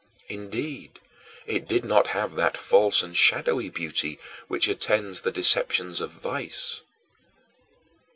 Indeed, it did not have that false and shadowy beauty which attends the deceptions of vice.